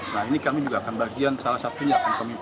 nah ini kami juga akan bagian salah satunya